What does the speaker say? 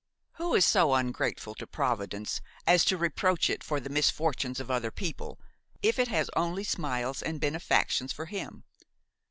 Who is so ungrateful to Providence as to reproach it for the misfortunes of other people, if it has only smiles and benefactions for him?